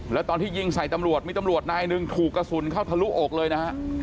แล้วตอนที่ยิงใส่ตำรวจมีตำรวจนายหนึ่งถูกกระสุนเข้าทะลุอกเลยนะฮะ